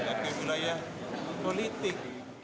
ini saya diserahkan oleh wilayah politik